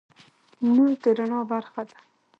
نور د رڼا برخه ده.